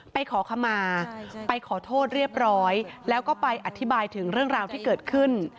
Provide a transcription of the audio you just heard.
ไปขอขมาไปขอโทษเรียบร้อยแล้วก็ไปอธิบายถึงเรื่องราวที่เกิดขึ้น